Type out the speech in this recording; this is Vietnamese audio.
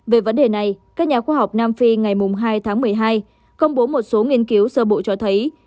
về vấn đề này các nhà khoa học nam phi ngày hai tháng một mươi hai công bố một số nghiên cứu sơ bộ cho thấy